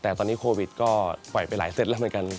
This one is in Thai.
แต่ตอนนี้โควิดก็ปล่อยไปหลายเซตแล้วเหมือนกัน